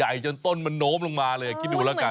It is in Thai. ใหญ่จนต้นมันนโม้มมาเลยคิดดูแล้วกัน